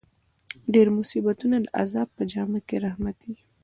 ډېر مصیبتونه د عذاب په جامه کښي رحمت يي.